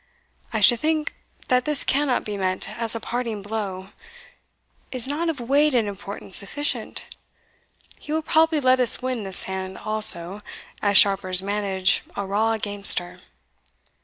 "I should think that this cannot be meant as a parting blow is not of weight and importance sufficient; he will probably let us win this hand also, as sharpers manage a raw gamester.